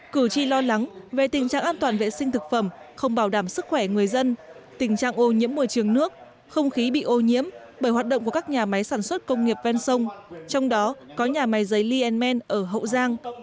cử tri lo lắng về tình trạng an toàn vệ sinh thực phẩm không bảo đảm sức khỏe người dân tình trạng ô nhiễm môi trường nước không khí bị ô nhiễm bởi hoạt động của các nhà máy sản xuất công nghiệp ven sông trong đó có nhà máy giấy lienman ở hậu giang